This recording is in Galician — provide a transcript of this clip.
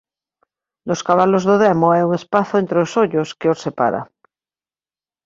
Nos cabalos do demo hai un espazo entre os ollos que os separa.